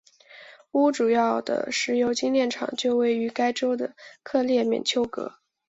乌主要的石油精炼厂就位于该州的克列缅丘格。